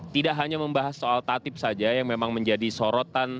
tidak hanya membahas soal tatip saja yang memang menjadi sorotan